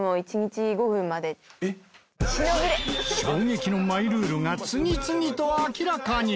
衝撃のマイルールが次々と明らかに！